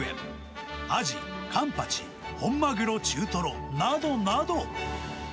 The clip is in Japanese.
アジ、カンパチ、本マグロ、中トロなどなど。